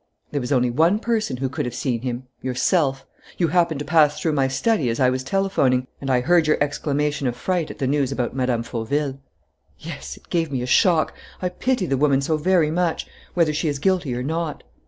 "There was only one person who could have seen him yourself. You happened to pass through my study as I was telephoning and I heard your exclamation of fright at the news about Mme. Fauville." "Yes, it gave me a shock. I pity the woman so very much, whether she is guilty or not."